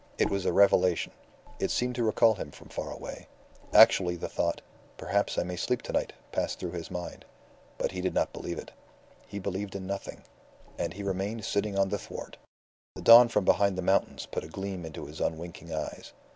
It was a revelation. It seemed to recall him from far away, Actually the thought, "Perhaps I may sleep to night," passed through his mind. But he did not believe it. He believed in nothing; and he remained sitting on the thwart. The dawn from behind the mountains put a gleam into his unwinking eyes.